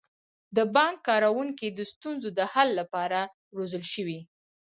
د بانک کارکوونکي د ستونزو د حل لپاره روزل شوي.